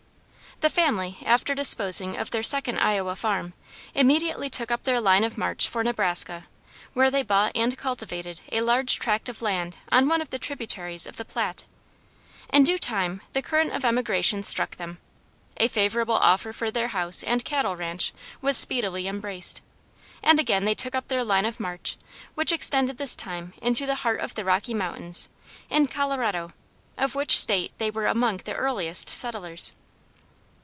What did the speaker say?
The family, after disposing of their second Iowa farm, immediately took up their line of march for Nebraska, where they bought and cultivated a large tract of land on one of the tributaries of the Platte. In due time the current of emigration struck them. A favorable offer for their house and cattle ranche was speedily embraced, and again they took up their line of march which extended this time into the heart of the Rocky Mountains, in Colorado, of which State they were among the earliest settlers.